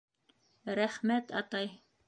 Рәхмәт, атай.